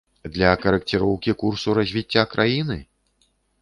Для карэкціроўкі курсу развіцця краіны?